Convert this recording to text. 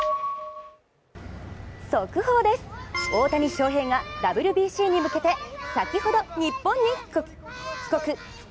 速報です、大谷翔平がＷＢＣに向けて、先ほど日本に帰国。